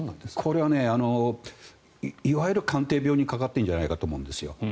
これは、いわゆる官邸病にかかっているんじゃないかと思うんです。